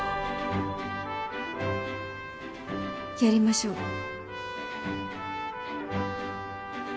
やりましょう。